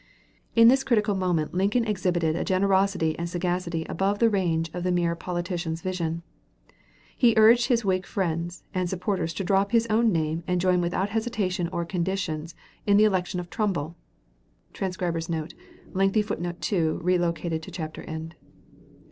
In this critical moment Lincoln exhibited a generosity and a sagacity above the range of the mere politician's vision. He urged upon his Whig friends and supporters to drop his own name and join without hesitation or conditions in the election of Trumbull. [Transcriber's Note: Lengthy footnote (2) relocated to chapter end.